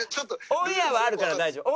オンエアはあるから大丈夫。